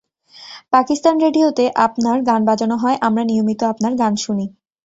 পাকিস্তান রেডিওতে আপনার গান বাজানো হয়, আমরা নিয়মিত আপনার গান শুনি।